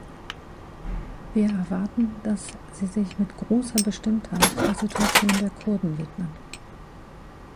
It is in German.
Wir erwarten, dass Sie sich mit großer Bestimmtheit der Situation der Kurden widmen.